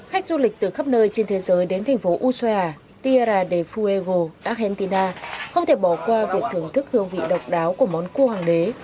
khách du lịch từ khắp nơi trên thế giới đến thành phố utrea tirade fuego argentina không thể bỏ qua việc thưởng thức hương vị độc đáo của món cua hoàng đế